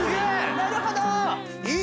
なるほど。